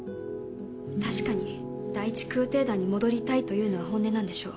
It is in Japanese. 確かに第１空挺団に戻りたいというのは本音なんでしょう。